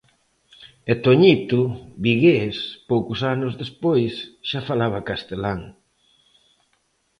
E Toñito, vigués, poucos anos despois xa falaba castelán.